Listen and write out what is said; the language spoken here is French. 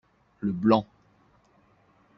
Le blanc.